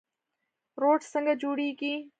روټ څنګه جوړیږي؟